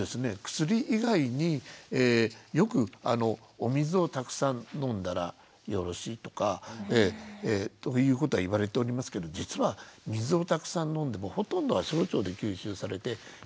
薬以外によくお水をたくさん飲んだらよろしいとかということは言われておりますけど実は水をたくさん飲んでもほとんどは小腸で吸収されて大腸には一部しかいかないので。